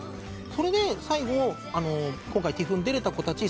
それで最後今回ＴＩＦに出られた子たち。